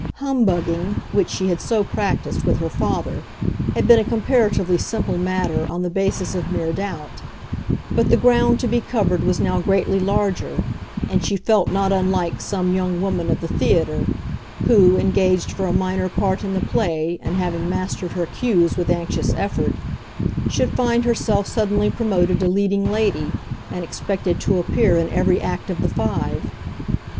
Humbugging, which she had so practised with her father, had been a comparatively simple matter on the basis of mere doubt; but the ground to be covered was now greatly larger, and she felt not unlike some young woman of the theatre who, engaged for a minor part in the play and having mastered her cues with anxious effort, should find herself suddenly promoted to leading lady and expected to appear in every act of the five.